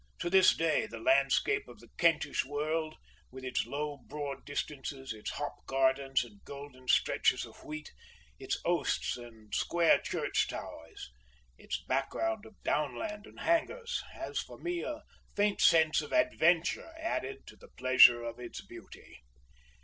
To this day the landscape of the Kentish world, with its low broad distances, its hop gardens and golden stretches of wheat, its oasts and square church towers, its background of downland and hangers, has for me a faint sense of adventure added to the pleasure of its beauty.